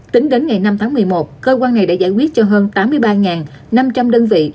tính đến ngày năm tháng một mươi một cơ quan này đã giải quyết cho hơn tám mươi ba năm trăm linh đơn vị